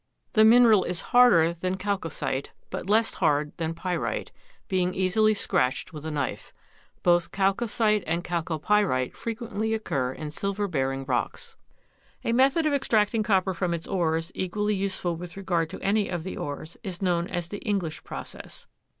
The mineral is harder than chalcocite, but less hard than pyrite, being easily scratched with a knife. Both chalcocite and chalcopyrite frequently occur in silver bearing rocks. A method of extracting copper from its ores, equally useful with regard to any of the ores, is known as the English process.